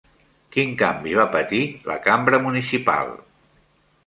Quin canvi va patir la cambra municipal?